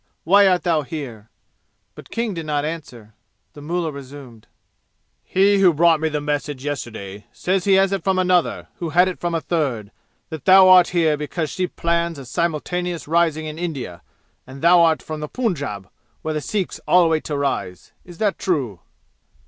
Why art thou here?" But King did not answer. The mullah resumed. "He who brought me the message yesterday says he has it from another, who had it from a third, that thou art here because she plans a simultaneous rising in India, and thou art from the Punjab where the Sikhs all wait to rise. Is that true?"